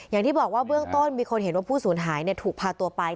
อย่างที่บอกว่าเบื้องต้นมีคนเห็นว่าผู้สูญหายถูกพาตัวไป